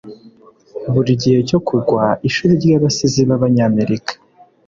buri gihe cyo kugwa, ishuri ryabasizi b'abanyamerika